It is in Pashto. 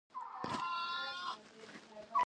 د ویب سایټ جوړول عاید لري